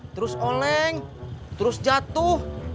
terus oleng terus jatuh